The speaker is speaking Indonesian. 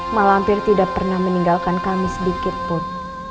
malampir tidak pernah meninggalkan kami sedikitpun